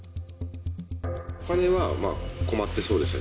お金は困ってそうでした。